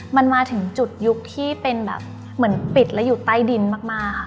มันมาถึงจุดยุคที่เป็นแบบเหมือนปิดแล้วอยู่ใต้ดินมากค่ะ